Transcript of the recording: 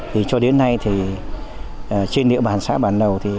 thì cho đến nay thì trên địa bàn xã bản lầu thì